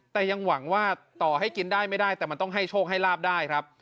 แต่ยังหวังว่าต่อให้กินได้ไม่ได้แต่มันต้องให้โชคให้ลาบได้ครับ